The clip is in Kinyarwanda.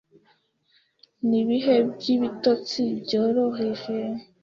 ni ibihe by’ibitotsi byoroheje